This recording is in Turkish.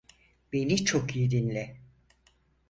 Beni çok iyi dinle.